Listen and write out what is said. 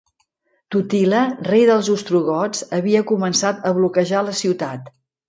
Totila, rei dels Ostrogots, havia començat a bloquejar la ciutat.